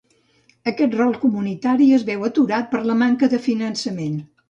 Aquest rol comunitari es veu aturat per la manca de finançament.